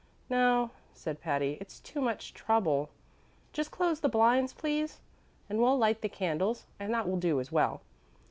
"No," said Patty; "it's too much trouble. Just close the blinds, please, and we'll light the candles, and that will do as well.